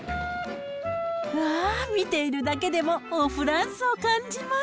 うわー、見ているだけでもおフランスを感じます。